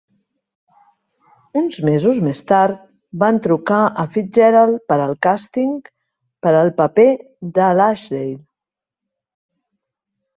Uns mesos més tard, van trucar a Fitzgerald per al càsting per al paper de l'Ashley.